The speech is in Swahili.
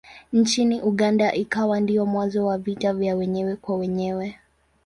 Nchini Uganda ikawa ndiyo mwanzo wa vita vya wenyewe kwa wenyewe.